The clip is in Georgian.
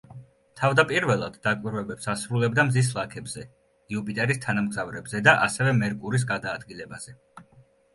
თავდაპირველად დაკვირვებებს ასრულებდა მზის ლაქებზე, იუპიტერის თანამგზავრებზე და ასევე მერკურის გადაადგილებაზე.